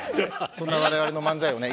そんな我々の漫才をね